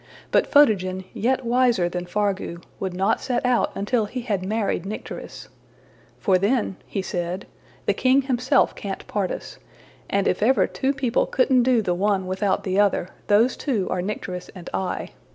But Photogen, yet wiser than Fargu, would not set out until he had married Nycteris; ``for then,'' he said, ``the king himself can't part us; and if ever two people couldn't do the one without the other, those two are Nycteris and I.